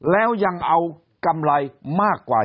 แล้วยังเอากำไรมากกว่า